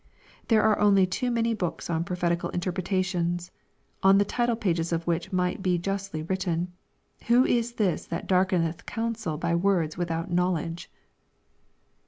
There are only too many books on prophetical interpretation, on the title pages of which might be justly written, " Who is this that darkeneth counsel by words without knowledge